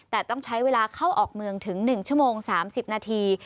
แต่ต้องใช้เวลาเข้าออกเมืองถึง๑ชั่วโมง๓๐นาที